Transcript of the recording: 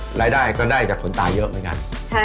รายได้ก็ได้จากคนตายเยอะเหมือนกัน